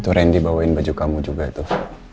tuh randy bawain baju kamu juga tuh